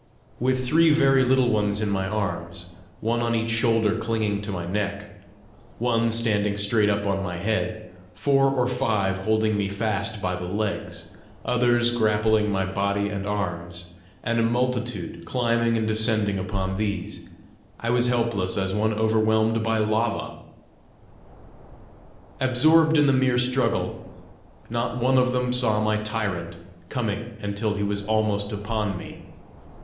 With three very little ones in my arms, one on each shoulder clinging to my neck, one standing straight up on my head, four or five holding me fast by the legs, others grappling my body and arms, and a multitude climbing and descending upon these, I was helpless as one overwhelmed by lava. Absorbed in the merry struggle, not one of them saw my tyrant coming until he was almost upon me.